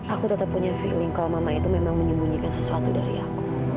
aku tetap punya feeling kalau mama itu memang menyembunyikan sesuatu dari aku